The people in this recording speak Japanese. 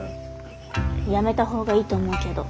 やめた方がいいと思うけど。